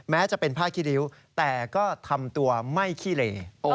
แม้จะเป็นผ้าขี้ริ้วแต่ก็ทำตัวไม่ขี้เหล